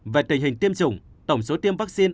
về tình hình tiêm chủng tổng số tiêm vaccine